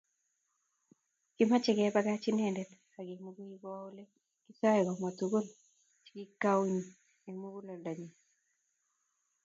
Kimochei kebakach inendet ak Mungunyi kowo Ole kisoe komwa tuguk tugul chekikauny eng muguleldonyi